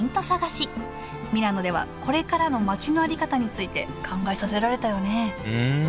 ミラノではこれからの街の在り方について考えさせられたよねうん。